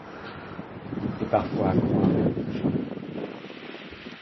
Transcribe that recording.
C’était parfois à croire qu’il touchait.